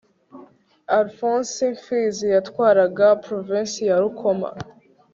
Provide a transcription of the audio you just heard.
Alfonsi Mfizi yatwaraga Provinsi ya Rukoma